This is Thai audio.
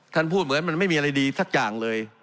พูดเหมือนมันไม่มีอะไรดีสักอย่างเลย